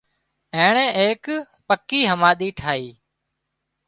اين ايڪ پڪي هماۮي ٺاهي